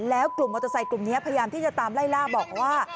แล้วกลุ่มมอเตอร์ไซค์กลุ่มนี้พยายามที่จะตามไล่ล่าบอกว่า